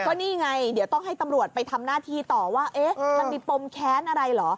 ก็นี่ไงเดี๋ยวต้องให้ตำรวจไปทำหน้าที่ต่อว่ามันมีปมแค้นอะไรเหรอ